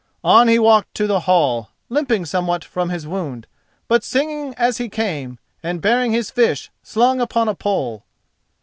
On he walked to the hall, limping somewhat from his wound, but singing as he came, and bearing his fish slung upon a pole.